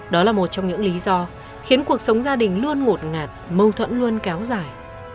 đó là một trong những lý do khiến cuộc sống gia đình luôn ngột ngạt mâu thuẫn luôn kéo dài